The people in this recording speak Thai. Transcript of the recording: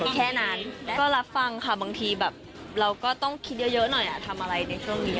แค่นั้นก็รับฟังค่ะบางทีแบบเราก็ต้องคิดเยอะหน่อยทำอะไรในช่วงนี้